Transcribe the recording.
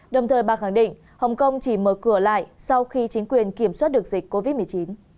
đồng thời bà khẳng định hồng kông chỉ mở cửa lại sau khi chính quyền kiểm soát được dịch covid một mươi chín